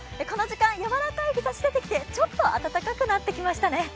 この時間やわらかい日ざし出てきてちょっと暖かくなりましたね。